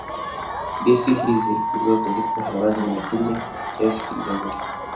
Gesi hizi zote ziko hewani lakini kwa kiasi kidogo tu.